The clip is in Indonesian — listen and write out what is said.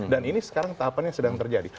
dan ini sekarang tahapannya sedang terjadi